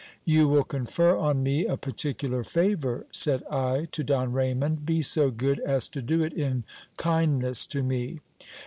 You will confer on me a particular favour, said I to Don Raymond ; be so good as to do it in kindness to me.